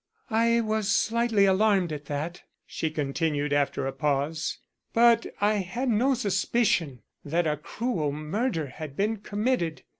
"I was slightly alarmed at that," she continued, after a pause; "but I had no suspicion that a cruel murder had been committed.